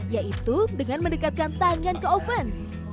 yaitu dengan mendekatkan tangan ke oven